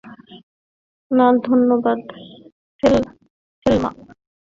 না, ধন্যবাদ, থেলমা।